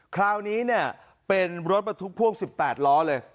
คราวนี้เนี่ยเป็นรถบรรทุกพ่วง๑๘ล้อเลย